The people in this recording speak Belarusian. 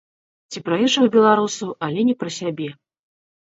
Ці пра іншых беларусаў, але не пра сябе?